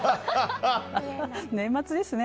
年末ですね。